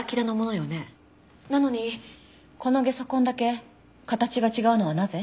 なのにこのゲソ痕だけ形が違うのはなぜ？